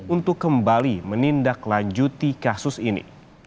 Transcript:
untuk kembali menindaklanjuti kasus ini